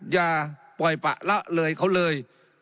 อย่าปล่อยปะละเลยเขาเลย